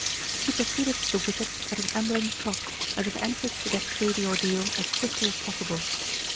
He proceeded to the wicket at an ambling trot, as if anxious to get through the ordeal as quickly as possible.